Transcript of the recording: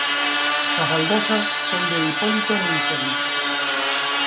Las baldosas son de Hipólito Montseny.